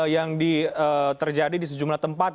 yang terjadi di sejumlah tempat